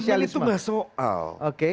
amandemen itu gak soal